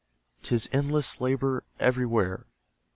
'Tis endless labour everywhere!